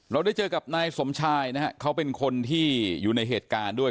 เราได้เจอกับนายสมชายนะฮะเขาเป็นคนที่อยู่ในเหตุการณ์ด้วย